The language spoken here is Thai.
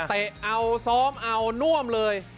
เตะเอาซ้อมเอาน่วมเลย